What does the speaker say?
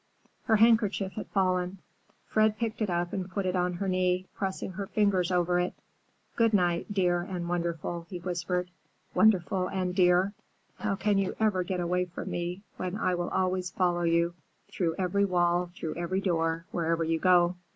Her handkerchief had fallen. Fred picked it up and put it on her knee, pressing her fingers over it. "Good night, dear and wonderful," he whispered,—"wonderful and dear! How can you ever get away from me when I will always follow you, through every wall, through every door, wherever you go."